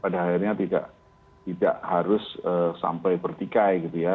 pada akhirnya tidak harus sampai bertikai gitu ya